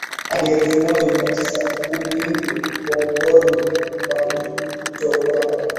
hadi elfu moja Mia Tisa ma kumi hivi kandoni kwa mto Kwango